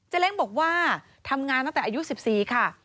เล้งบอกว่าทำงานตั้งแต่อายุ๑๔ค่ะ